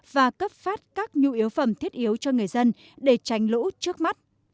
và cấp phát các nhu yếu phẩm thiết yếu cho người dân để tránh lũ trước mắt